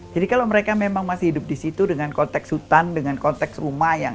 jadi kalau mereka memang masih hidup di situ dengan konteks hutan dengan konteks rumah yang